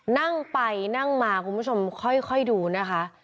นั่งไปนั่งมาคุณผู้ชมค่อยดูนะคะ